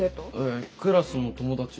えクラスの友達。